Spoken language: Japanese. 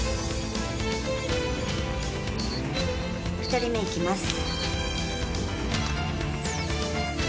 ２人目いきます。